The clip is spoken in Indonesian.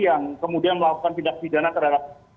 yang kemudian melakukan tindak pidana terhadap